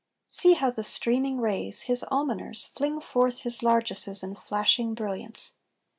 See how the streaming rays, his almoners, Fling forth his largesses in flashing brilliants.